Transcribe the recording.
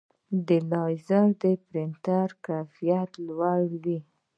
د لیزر پرنټر کیفیت لوړ وي.